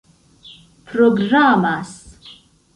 programas